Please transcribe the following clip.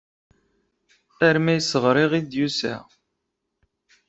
Armi ay as-ɣriɣ ay d-yusa.